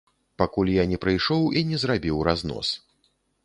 Пакуль я не прыйшоў і не зрабіў разнос.